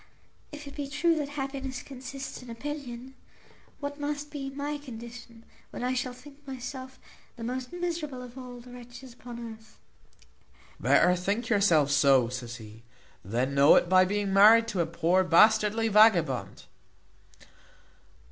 If it be true that happiness consists in opinion, what must be my condition, when I shall think myself the most miserable of all the wretches upon earth?" "Better think yourself so," said he, "than know it by being married to a poor bastardly vagabond."